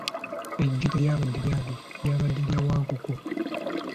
Eggi teryabadde lyange, lyabadde lya Wankoko,